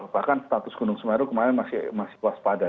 bahkan status gunung semeru kemarin masih waspada